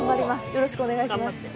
よろしくお願いします。